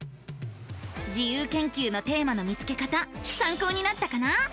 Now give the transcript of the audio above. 自由研究のテーマの見つけ方さんこうになったかな？